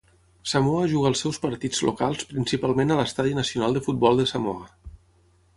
Samoa juga els seus partits locals principalment a l'Estadi Nacional de Futbol de Samoa.